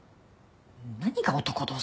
何が男同士だよ。